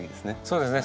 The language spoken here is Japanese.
そうですね。